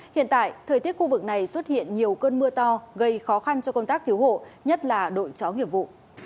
hiện tại thời tiết khu vực này xuất hiện nhiều cơn mưa to gây khó khăn cho công tác cứu hộ nhất là đội chó nghiệp vụ